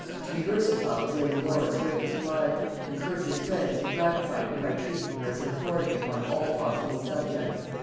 To be versatile was Lady Laura's greatest pride, and courteous friends had gratified her by treating her as an authority upon all possible subjects.